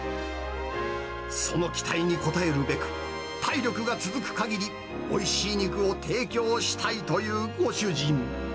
その期待に応えるべく、体力が続くかぎり、おいしい肉を提供したいというご主人。